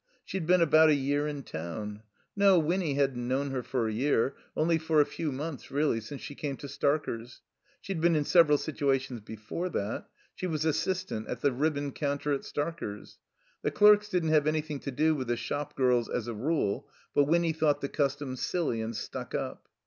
She'd been about a year in town. No, Winny hadn't known her for a year. Only for a few months really, since she came to Starker's. She'd been in several situations before that. She was assistant at the ribbon coimter at Starker's. The clerks didn't have anything to do with the shop girls as a rule: but Winny thought the custom silly and stuck up.